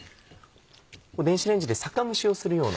電子レンジで酒蒸しをするような。